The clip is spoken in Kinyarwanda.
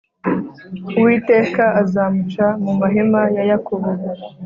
Uwiteka azamuca mu mahema ya Yakobo